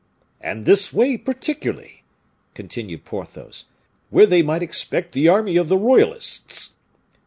"And this way, particularly," continued Porthos, "where they might expect the army of the royalists."